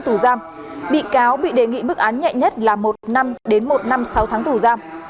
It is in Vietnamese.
tù giam bị cáo bị đề nghị mức án nhẹ nhất là một năm đến một năm sáu tháng tù giam